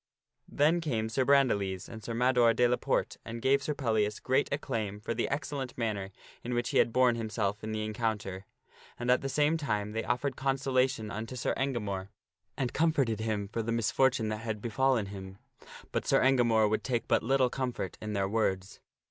Then came Sir Brandiles and Sir Mador de la Porte and gave Sir Pellias great acclaim for the excellent manner in which he had borne himself in the encounter, and at the same time they offered consolation unto Sir Enga THE LADY ETTARD ENTERTAINS SIR PELLIAS 231 more and comforted him for the misfortune that had befallen him. But Sir Engamore would take but little comfort in their words.